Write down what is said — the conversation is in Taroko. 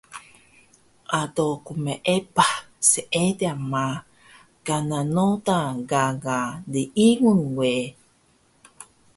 Ado qneepah seediq ma, kana noda gaga liingun we